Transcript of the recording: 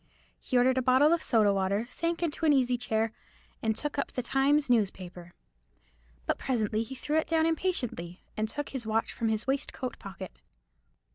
He ordered a bottle of soda water, sank into an easy chair, and took up the Times newspaper. But presently he threw it down impatiently, and took his watch from his waistcoat pocket.